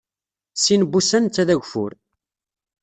Sin wussan netta d ageffur.